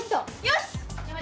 よし！